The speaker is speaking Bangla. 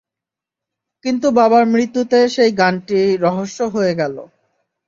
কিন্তু বাবার মৃত্যুতে সেই গানটি রহস্য হয়ে গেলো।